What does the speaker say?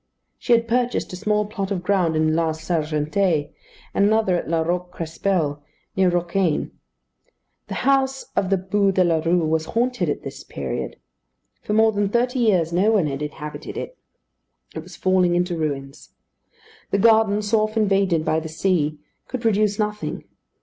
She had purchased a small plot of ground at La Sergentée, and another at La Roque Crespel, near Rocquaine. The house of the Bû de la Rue was haunted at this period. For more than thirty years no one had inhabited it. It was falling into ruins. The garden, so often invaded by the sea, could produce nothing.